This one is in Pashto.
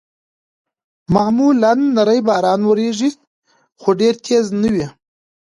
معمولاً نری باران اورېږي، خو ډېر تېز نه وي.